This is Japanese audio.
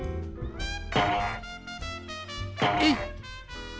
えい！